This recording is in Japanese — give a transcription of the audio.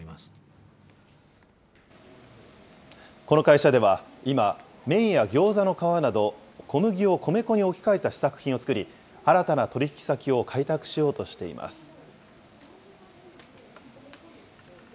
この会社では今、麺やギョーザの皮など小麦を米粉に置き換えた試作品を作り、新たな取り引き先を開拓しようとしています。